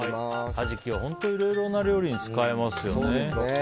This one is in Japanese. カジキ、本当にいろいろな料理に使えますよね。